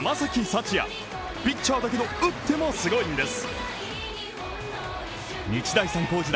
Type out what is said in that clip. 福也ピッチャーだけど、打ってもすごいんです。